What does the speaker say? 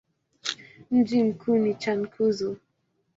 Mji mkuu ni Cankuzo.